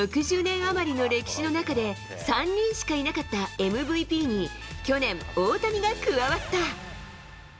６０年余りの歴史の中で、３人しかいなかったＭＶＰに、去年、大谷が加わった。